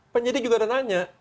penyidik juga ada nanya